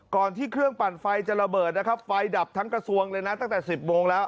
ก่อนที่เครื่องปั่นไฟจะระเบิดนะครับไฟดับทั้งกระทรวงเลยนะตั้งแต่๑๐โมงแล้ว